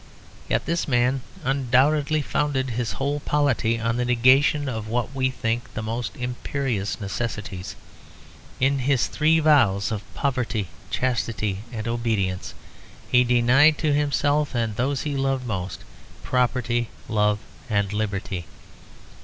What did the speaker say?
Yet this man undoubtedly founded his whole polity on the negation of what we think the most imperious necessities; in his three vows of poverty, chastity, and obedience, he denied to himself and those he loved most, property, love, and liberty.